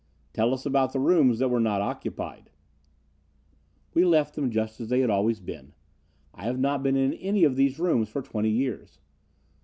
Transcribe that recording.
"Tell us about the rooms that were not occupied." "We left them just as they always had been. I have not been in any of these rooms for twenty years.